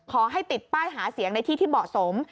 ขอให้ติดป้ายหาเสียงในที่ที่เหมาะสม